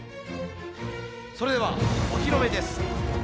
それではお披露目です。